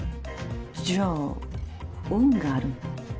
じゃあ恩があるのね。